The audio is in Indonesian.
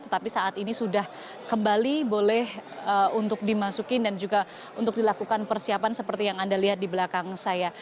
tetapi saat ini sudah kembali boleh untuk dimasukin dan juga untuk dilakukan persiapan seperti yang anda lihat di belakang saya